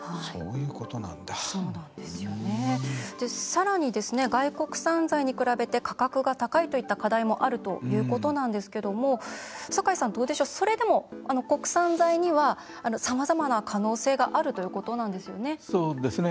さらに外国産材に比べて価格が高いといった課題もあるということなんですけども酒井さん、それでも国産材にはさまざまな可能性があるということなんですよね。